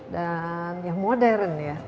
dan yang modern ya